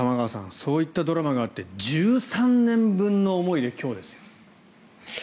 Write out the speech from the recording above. そういったドラマがあって１３年分の思いで今日ですよ。